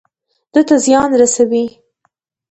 ده ته زيان ورسوي.